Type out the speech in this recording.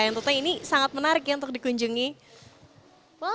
yang tetep ini sangat menarik untuk dikunjungi wah udah nutup semua tuh tersedia dua teleskop